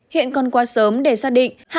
hiện còn quá sớm để xác định